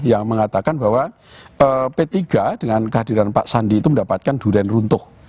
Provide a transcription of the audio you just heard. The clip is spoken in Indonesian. yang mengatakan bahwa p tiga dengan kehadiran pak sandi itu mendapatkan durian runtuh